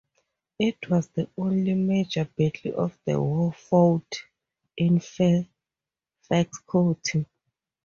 It was the only major battle of the war fought in Fairfax County.